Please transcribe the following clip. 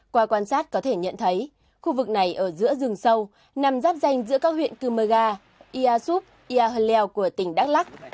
qua quan sát có thể nhận thấy khu vực này ở giữa rừng sâu nằm rắp danh giữa các huyện cư mơ ga yà súp yà hân lèo của tỉnh đắk lắc